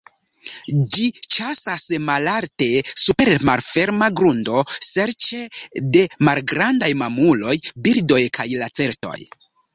Ĝi ĉasas malalte super malferma grundo serĉe de malgrandaj mamuloj, birdoj kaj lacertoj.